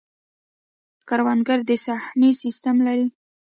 کروندګر د سهمیې سیستم لري.